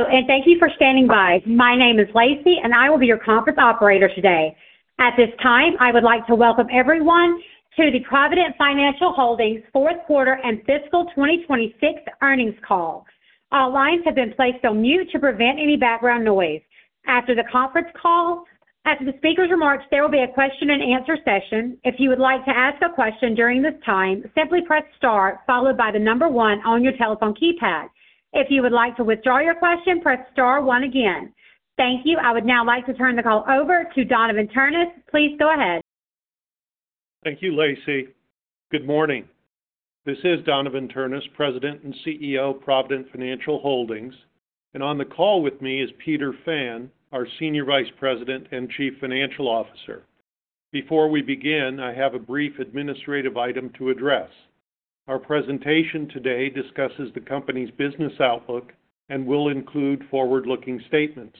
Hello, and thank you for standing by. My name is Lacey and I will be your conference operator today. At this time, I would like to welcome everyone to the Provident Financial Holdings fourth quarter and fiscal 2026 earnings call. All lines have been placed on mute to prevent any background noise. After the speaker's remarks, there will be a question-and-answer session. If you would like to ask a question during this time, simply press star followed by one on your telephone keypad. If you would like to withdraw your question, press star one again. Thank you. I would now like to turn the call over to Donavon Ternes. Please go ahead. Thank you, Lacey. Good morning. This is Donavon Ternes, President and CEO, Provident Financial Holdings, and on the call with me is Peter Fan, our Senior Vice President and Chief Financial Officer. Before we begin, I have a brief administrative item to address. Our presentation today discusses the company's business outlook and will include forward-looking statements.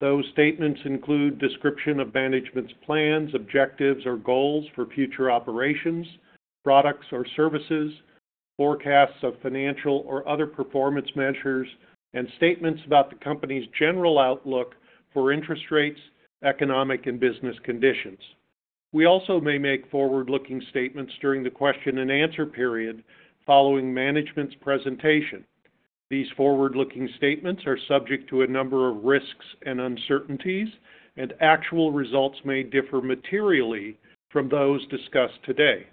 Those statements include description of management's plans, objectives, or goals for future operations, products or services, forecasts of financial or other performance measures, and statements about the company's general outlook for interest rates, economic, and business conditions. We also may make forward-looking statements during the question and answer period following management's presentation. These forward-looking statements are subject to a number of risks and uncertainties. Actual results may differ materially from those discussed today.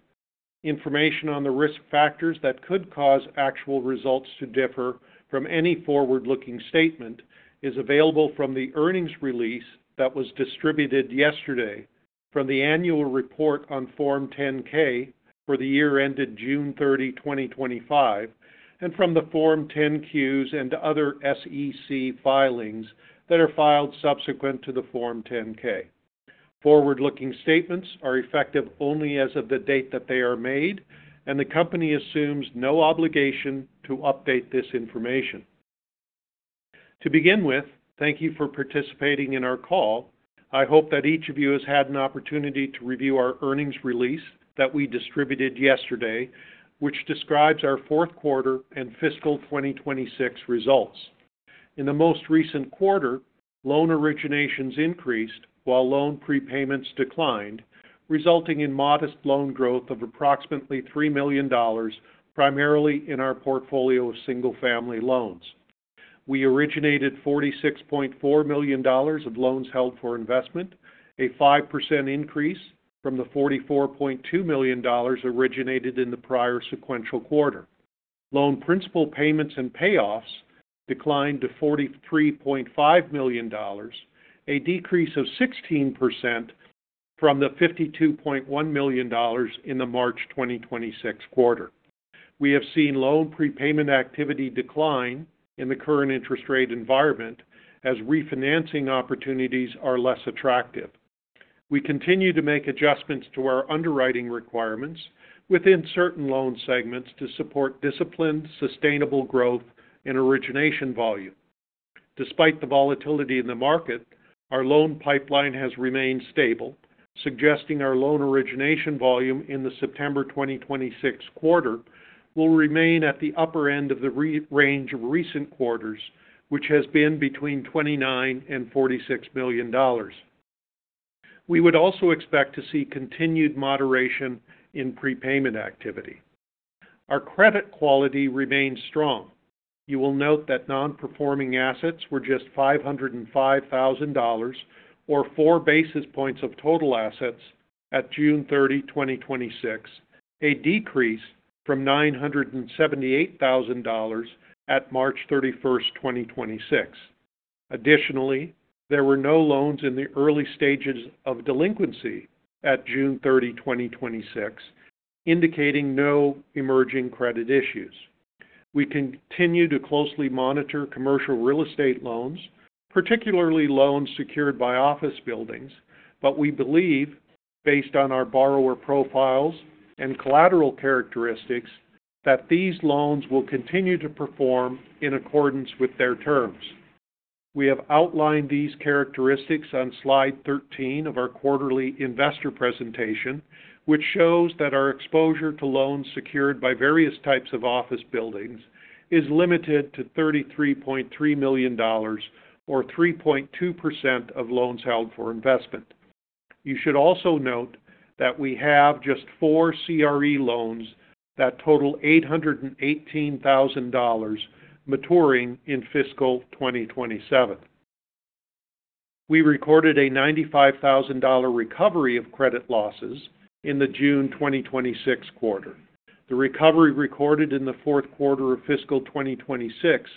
Information on the risk factors that could cause actual results to differ from any forward-looking statement is available from the earnings release that was distributed yesterday from the Annual Report on Form 10-K for the year ended June 30, 2025, and from the Form 10-Qs and other SEC filings that are filed subsequent to the Form 10-K. Forward-looking statements are effective only as of the date that they are made. The company assumes no obligation to update this information. To begin with, thank you for participating in our call. I hope that each of you has had an opportunity to review our earnings release that we distributed yesterday, which describes our fourth quarter and fiscal 2026 results. In the most recent quarter, loan originations increased while loan prepayments declined, resulting in modest loan growth of approximately $3 million, primarily in our portfolio of single-family loans. We originated $46.4 million of loans held for investment, a 5% increase from the $44.2 million originated in the prior sequential quarter. Loan principal payments and payoffs declined to $43.5 million, a decrease of 16% from the $52.1 million in the March 2026 quarter. We have seen loan prepayment activity decline in the current interest rate environment as refinancing opportunities are less attractive. We continue to make adjustments to our underwriting requirements within certain loan segments to support disciplined, sustainable growth in origination volume. Despite the volatility in the market, our loan pipeline has remained stable, suggesting our loan origination volume in the September 2026 quarter will remain at the upper end of the range of recent quarters, which has been between $29 million and $46 million. We would also expect to see continued moderation in prepayment activity. Our credit quality remains strong. You will note that non-performing assets were just $505,000, or 4 basis points of total assets at June 30, 2026, a decrease from $978,000 at March 31st, 2026. Additionally, there were no loans in the early stages of delinquency at June 30, 2026, indicating no emerging credit issues. We continue to closely monitor commercial real estate loans, particularly loans secured by office buildings, we believe, based on our borrower profiles and collateral characteristics, that these loans will continue to perform in accordance with their terms. We have outlined these characteristics on slide 13 of our quarterly investor presentation, which shows that our exposure to loans secured by various types of office buildings is limited to $33.3 million or 3.2% of loans held for investment. You should also note that we have just four CRE loans that total $818,000 maturing in fiscal 2027. We recorded a $95,000 recovery of credit losses in the June 2026 quarter. The recovery recorded in the fourth quarter of fiscal 2026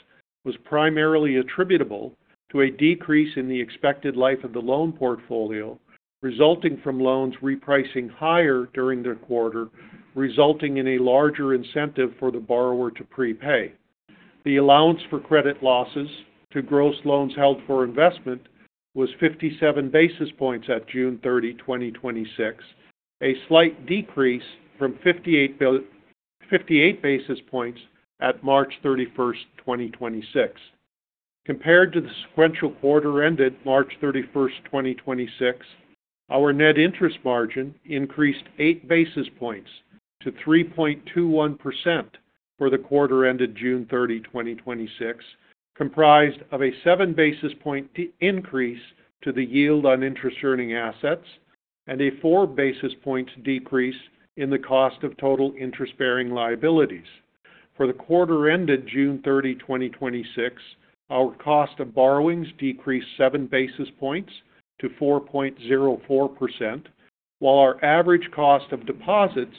was primarily attributable to a decrease in the expected life of the loan portfolio, resulting from loans repricing higher during the quarter, resulting in a larger incentive for the borrower to prepay. The allowance for credit losses to gross loans held for investment was 57 basis points at June 30, 2026, a slight decrease from 58 basis points at March 31st, 2026. Compared to the sequential quarter ended March 31st, 2026, our net interest margin increased 8 basis points to 3.21% for the quarter ended June 30, 2026, comprised of a 7 basis point increase to the yield on interest-earning assets and a 4 basis points decrease in the cost of total interest-bearing liabilities. For the quarter ended June 30, 2026, our cost of borrowings decreased 7 basis points to 4.04%, while our average cost of deposits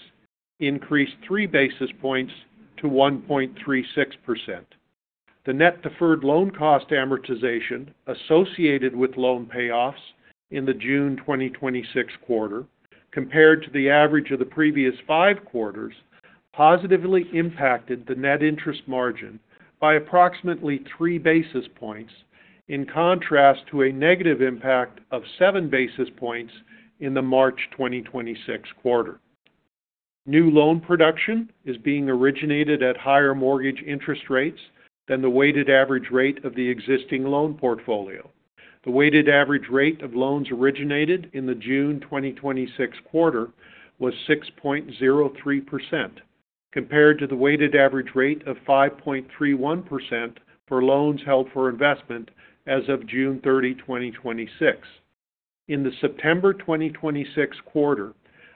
increased 3 basis points to 1.36%. The net deferred loan cost amortization associated with loan payoffs in the June 2026 quarter compared to the average of the previous five quarters positively impacted the net interest margin by approximately 3 basis points, in contrast to a negative impact of 7 basis points in the March 2026 quarter. New loan production is being originated at higher mortgage interest rates than the weighted average rate of the existing loan portfolio. The weighted average rate of loans originated in the June 2026 quarter was 6.03%, compared to the weighted average rate of 5.31% for loans held for investment as of June 30, 2026. In the September 2026 quarter,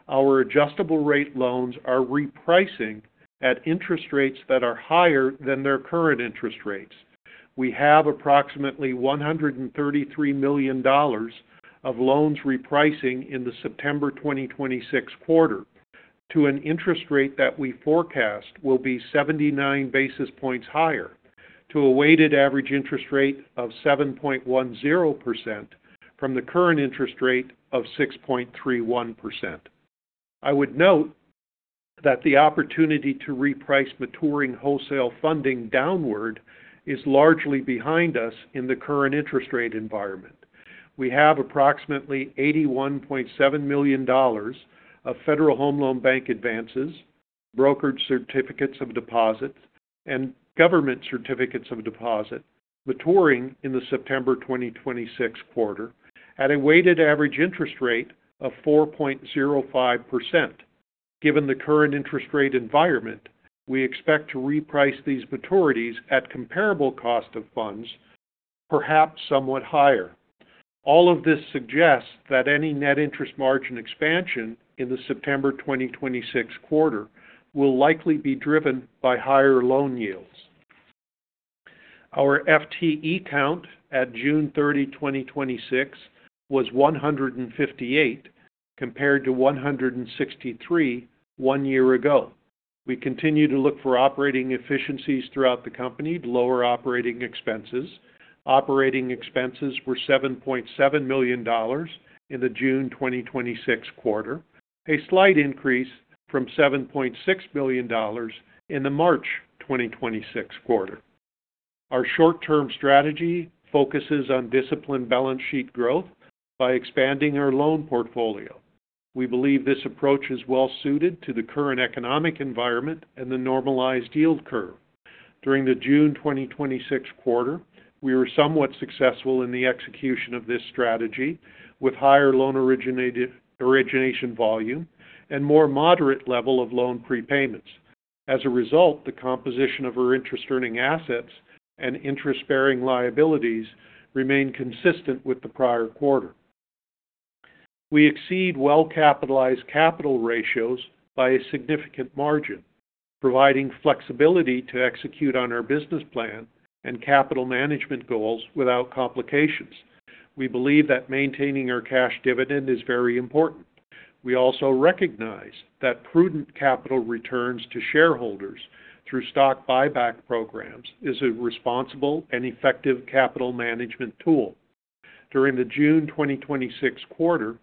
our adjustable rate loans are repricing at interest rates that are higher than their current interest rates. We have approximately $133 million of loans repricing in the September 2026 quarter to an interest rate that we forecast will be 79 basis points higher to a weighted average interest rate of 7.10% from the current interest rate of 6.31%. I would note that the opportunity to reprice maturing wholesale funding downward is largely behind us in the current interest rate environment. We have approximately $81.7 million of Federal Home Loan Bank advances, brokered certificates of deposits, and government certificates of deposit maturing in the September 2026 quarter at a weighted average interest rate of 4.05%. Given the current interest rate environment, we expect to reprice these maturities at comparable cost of funds, perhaps somewhat higher. All of this suggests that any net interest margin expansion in the September 2026 quarter will likely be driven by higher loan yields. Our FTE count at June 30, 2026 was 158 compared to 163 one year ago. We continue to look for operating efficiencies throughout the company to lower operating expenses. Operating expenses were $7.7 million in the June 2026 quarter, a slight increase from $7.6 million in the March 2026 quarter. Our short-term strategy focuses on disciplined balance sheet growth by expanding our loan portfolio. We believe this approach is well suited to the current economic environment and the normalized yield curve. During the June 2026 quarter, we were somewhat successful in the execution of this strategy with higher loan origination volume and more moderate level of loan prepayments. As a result, the composition of our interest-earning assets and interest-bearing liabilities remain consistent with the prior quarter. We exceed well-capitalized capital ratios by a significant margin, providing flexibility to execute on our business plan and capital management goals without complications. We believe that maintaining our cash dividend is very important. We also recognize that prudent capital returns to shareholders through stock buyback programs is a responsible and effective capital management tool. During the June 2026 quarter,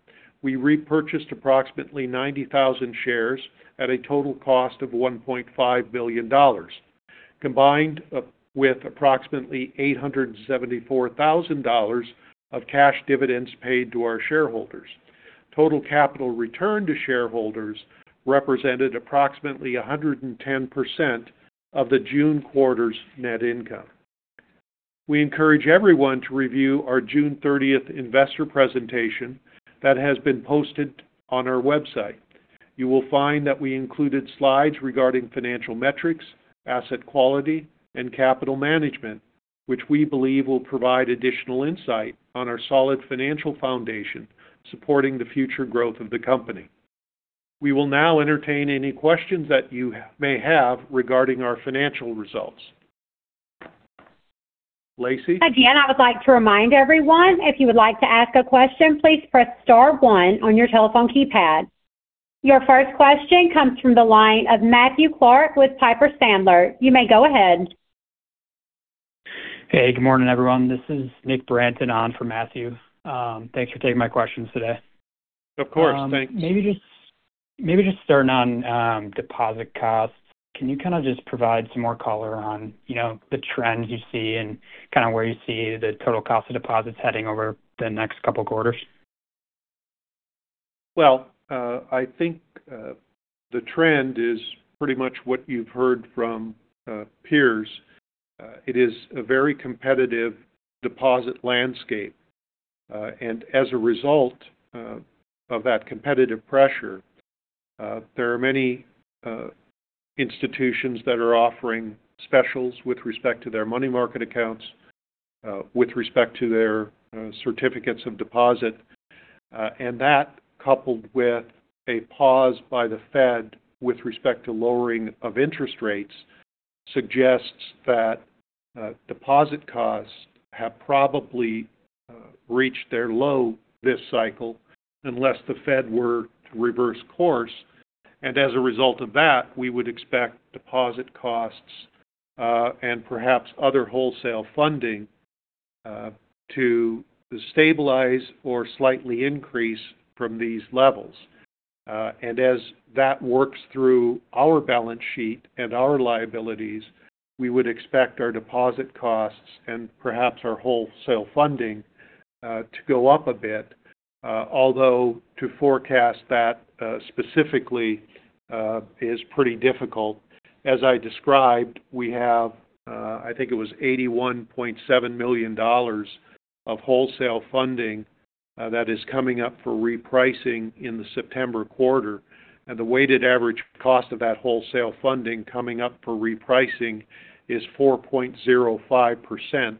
we repurchased approximately 90,000 shares at a total cost of $1.5 million, combined with approximately $874,000 of cash dividends paid to our shareholders. Total capital return to shareholders represented approximately 110% of the June quarter's net income. We encourage everyone to review our June 30th Investor Presentation that has been posted on our website. You will find that we included slides regarding financial metrics, asset quality, and capital management, which we believe will provide additional insight on our solid financial foundation supporting the future growth of the company. We will now entertain any questions that you may have regarding our financial results. Lacey? Again, I would like to remind everyone, if you would like to ask a question, please press star one on your telephone keypad. Your first question comes from the line of Matthew Clark with Piper Sandler. You may go ahead. Hey, good morning, everyone. This is Nick Branton on for Matthew. Thanks for taking my questions today. Of course. Thanks. Maybe just starting on deposit costs. Can you kind of just provide some more color on the trends you see and kind of where you see the total cost of deposits heading over the next couple quarters? Well, I think the trend is pretty much what you've heard from peers. It is a very competitive deposit landscape. As a result of that competitive pressure, there are many institutions that are offering specials with respect to their money market accounts, with respect to their certificates of deposit. That, coupled with a pause by the Fed with respect to lowering of interest rates, suggests that deposit costs have probably reached their low this cycle unless the Fed were to reverse course. As a result of that, we would expect deposit costs, and perhaps other wholesale funding, to stabilize or slightly increase from these levels. As that works through our balance sheet and our liabilities, we would expect our deposit costs and perhaps our wholesale funding to go up a bit. Although, to forecast that specifically is pretty difficult. As I described, we have, I think it was $81.7 million of wholesale funding that is coming up for repricing in the September quarter. The weighted average cost of that wholesale funding coming up for repricing is 4.05%,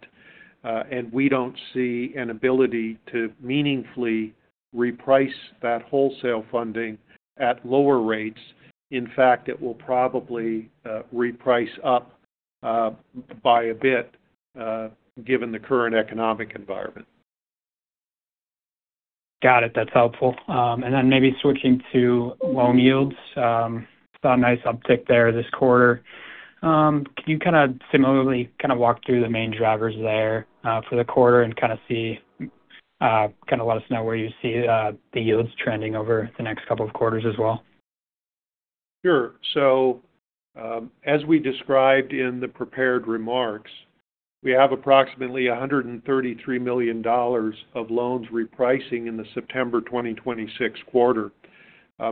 and we don't see an ability to meaningfully reprice that wholesale funding at lower rates. In fact, it will probably reprice up by a bit given the current economic environment. Got it. That's helpful. Maybe switching to loan yields. Saw a nice uptick there this quarter. Can you similarly walk through the main drivers there for the quarter and let us know where you see the yields trending over the next couple of quarters as well? Sure. As we described in the prepared remarks, we have approximately $133 million of loans repricing in the September 2026 quarter.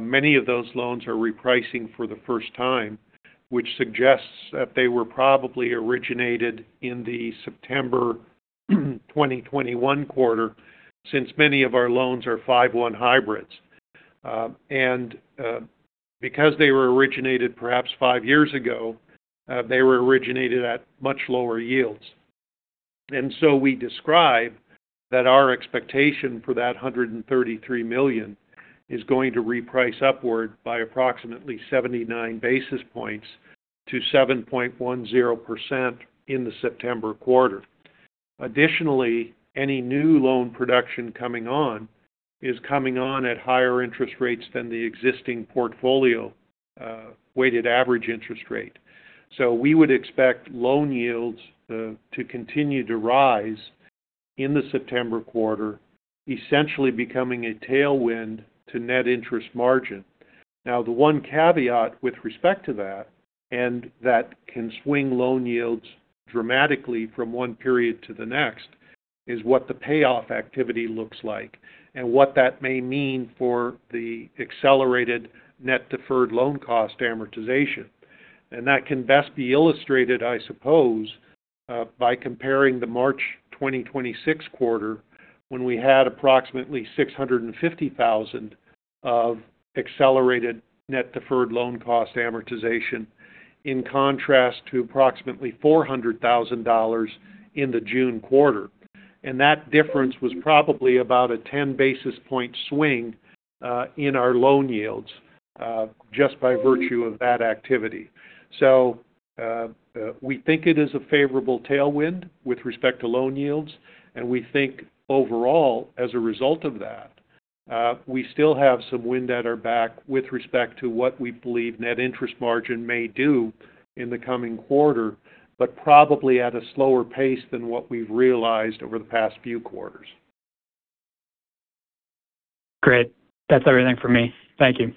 Many of those loans are repricing for the first time, which suggests that they were probably originated in the September 2021 quarter, since many of our loans are 5/1 hybrids. Because they were originated perhaps five years ago, they were originated at much lower yields. We describe that our expectation for that $133 million is going to reprice upward by approximately 79 basis points to 7.10% in the September quarter. Additionally, any new loan production coming on is coming on at higher interest rates than the existing portfolio weighted average interest rate. We would expect loan yields to continue to rise in the September quarter, essentially becoming a tailwind to net interest margin. The one caveat with respect to that can swing loan yields dramatically from one period to the next, is what the payoff activity looks like and what that may mean for the accelerated net deferred loan cost amortization. That can best be illustrated, I suppose, by comparing the March 2026 quarter, when we had approximately $650,000 of accelerated net deferred loan cost amortization, in contrast to approximately $400,000 in the June quarter. That difference was probably about a 10 basis point swing in our loan yields just by virtue of that activity. We think it is a favorable tailwind with respect to loan yields, and we think overall, as a result of that, we still have some wind at our back with respect to what we believe net interest margin may do in the coming quarter, but probably at a slower pace than what we've realized over the past few quarters. Great. That's everything for me. Thank you.